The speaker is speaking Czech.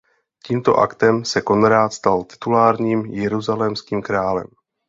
Tímto aktem se Konrád stal titulárním Jeruzalémským králem.